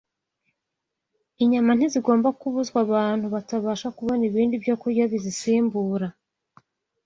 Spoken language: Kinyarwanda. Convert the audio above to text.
Inyama ntizigomba kubuzwa abantu batabasha kubona ibindi byokurya bizisimbura